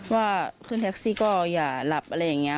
ว่าขึ้นแท็กซี่ก็อย่าหลับอะไรอย่างนี้